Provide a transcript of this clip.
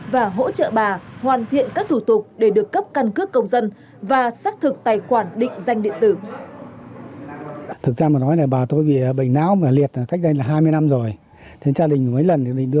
và hỗ trợ bà hoàn thiện các thủ tục để được cấp căn cước công dân và xác thực tài khoản định danh điện tử